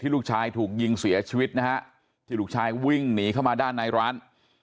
ลูกชายถูกยิงเสียชีวิตนะฮะที่ลูกชายวิ่งหนีเข้ามาด้านในร้าน